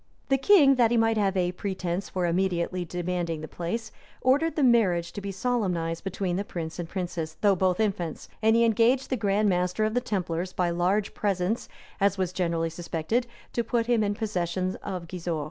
The king, that he might have a pretence for immediately demanding the place, ordered the marriage to be solemnized between the prince and princess, though both infants; and he engaged the grand master of the templars, by large presents, as was generally suspected, to put him in possession of Gisors.